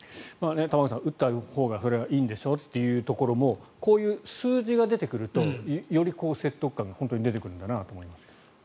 玉川さん打ったほうがそれはいいんでしょというところもこういう数字が出てくるとより説得感が出てくるんだなと思いますが。